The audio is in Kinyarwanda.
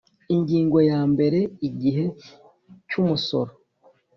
Ingingo ya mbere Igihe cy umusoro